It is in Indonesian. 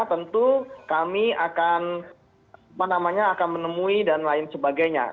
tentu kami akan menemui dan lain sebagainya